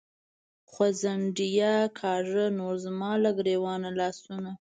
“ځونډیه”کاږه نور زما له ګرېوانه لاسونه